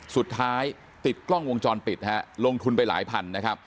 สุดท้ายติดกล้องวงจรปิดฮะลงทุนไปหลายพันนะครับ